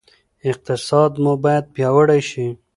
اقتصاد مو باید پیاوړی شي.